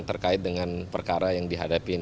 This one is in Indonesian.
terkait dengan perkara yang dihadapi